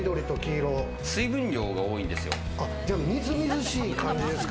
みずみずしい感じですか？